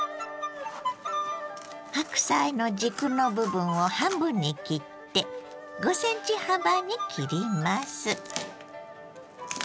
白菜の軸の部分を半分に切って５ｃｍ幅に切ります。